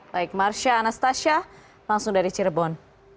baik marsha anastasia langsung dari cirebon